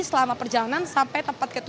selama perjalanan sampai tempat ketemu